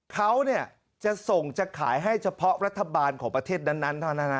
เขาเนี่ยจะส่งจะขายให้เฉพาะรัฐบาลของประเทศนั้น